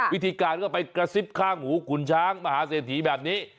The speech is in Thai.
วิธีการก็ไปกระซิบข้างหูขุนช้างมหาเศรษฐีแบบนี้